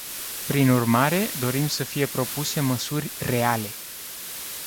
Prin urmare, dorim să fie propuse măsuri reale.